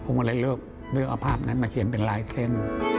ผมก็เลยเลือกเอาภาพนั้นมาเขียนเป็นลายเส้น